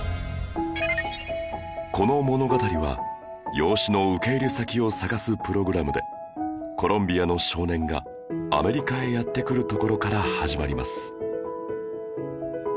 この物語は養子の受け入れ先を探すプログラムでコロンビアの少年がアメリカへやって来るところから始まります